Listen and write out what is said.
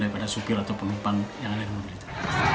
daripada supir atau penumpang yang ada di mobil itu